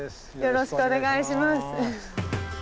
よろしくお願いします。